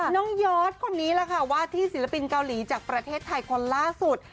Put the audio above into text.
ยอดคนนี้แหละค่ะว่าที่ศิลปินเกาหลีจากประเทศไทยคนล่าสุด